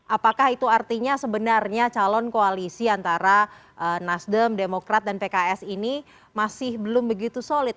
apakah itu artinya sebenarnya calon koalisi antara nasdem demokrat dan pks ini masih belum begitu solid